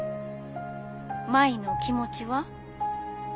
☎舞の気持ちは？